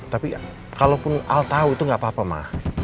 tapi kalaupun al tahu itu gak apa apa ma